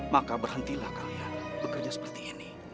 maka berhentilah kalian bekerja seperti ini